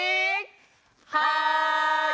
はい！